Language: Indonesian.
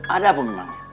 ada apa memang